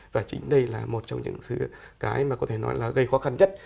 và chính đây là một trong những thứ cái mà có thể nói là gây khó khăn nhất